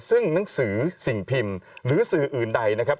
ซึ่งหนังสือสิ่งพิมพ์หรือสื่ออื่นใดนะครับ